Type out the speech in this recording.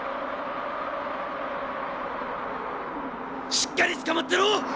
しっかりつかまってろ！